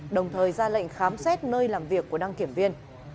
đồng thời ra lệnh khám xét nơi làm việc của đăng kiểm viên